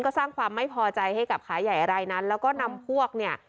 ก็สร้างความไม่พอใจให้กับขาใหญ่รายนั้นแล้วก็นำพวกเนี่ย